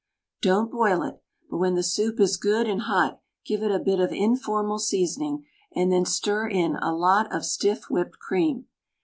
Don't boil it — but when the soup is good and hot give it a bit of informal seasoning and then stir in a lot of stiff whipped cream.